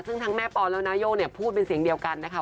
ซึ่งทั้งแม่ปอนและนาย่งเนี่ยพูดเป็นเสียงเดียวกันนะคะ